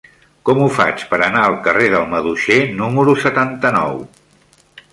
Com ho faig per anar al carrer del Maduixer número setanta-nou?